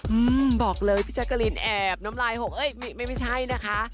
อืมบอกเลยพี่แจ๊กกะลินแอบน้ำลายหกเอ้ยไม่ไม่ใช่นะคะ